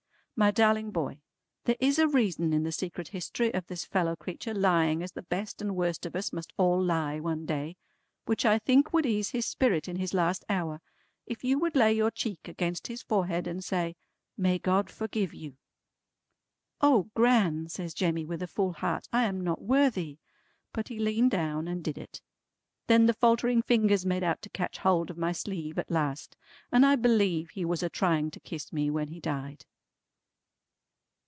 "My darling boy, there is a reason in the secret history of this fellow creetur lying as the best and worst of us must all lie one day, which I think would ease his spirit in his last hour if you would lay your cheek against his forehead and say, 'May God forgive you!'" "O Gran," says Jemmy with a full heart, "I am not worthy!" But he leaned down and did it. Then the faltering fingers made out to catch hold of my sleeve at last, and I believe he was a trying to kiss me when he died.